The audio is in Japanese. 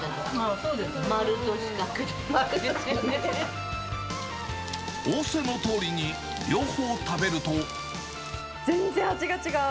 そうです、おおせのとおりに両方食べる全然味が違う。